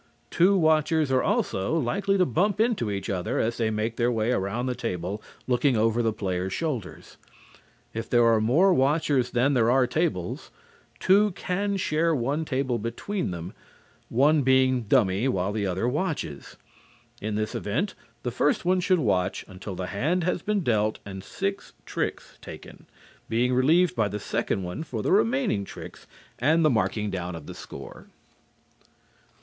Two watchers are also likely to bump into each other as they make their way around the table looking over the players' shoulders. If there are more watchers than there are tables, two can share one table between them, one being dummy while the other watches. In this event the first one should watch until the hand has been dealt and six tricks taken, being relieved by the second one for the remaining tricks and the marking down of the score.